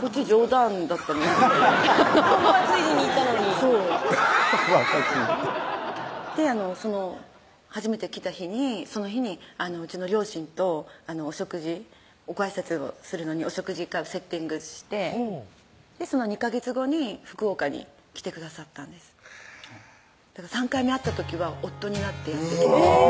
こっち冗談だったのにふわふわついでに言ったのにそうふわふわついでにその初めて来た日にその日にうちの両親とお食事ごあいさつをするのにお食事会をセッティングしてその２ヵ月後に福岡に来てくださったんですだから３回目会った時は夫になってうわ